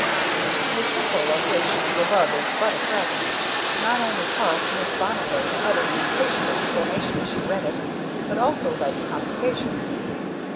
The epistle, of which the above is but a fragment, not only caused Miss Bonnifay to utter an impatient exclamation as she read it, but also led to complications.